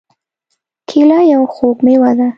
کېله یو خوږ مېوه ده.